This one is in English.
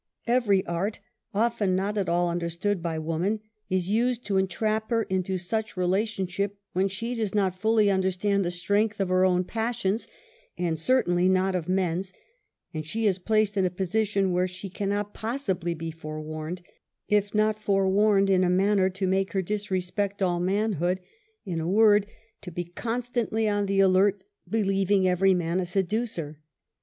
Every art, often not at all understood by woman, is used to entrap her into such relationship when she does not fully understand the strength of her own passjpns and certainly not of men's, and she is placed in a position where she cannot possibly be fore warned ; if not forewarned in a manner to make her disrespect all manhood, in a word, to be constantly 4 UNMASKED. on the alert believing every man a seducer.